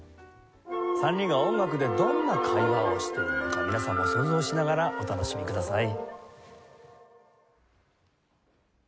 ３人が音楽でどんな会話をしているのか皆さんも想像しながらお楽しみください。